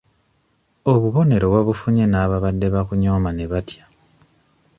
Obubonero wabufunye n'abaabadde bakunyooma ne batya.